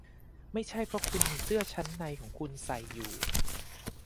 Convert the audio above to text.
ไม่ใช่เพราะคุณมีเสื้อชั้นในของคุณใส่อยู่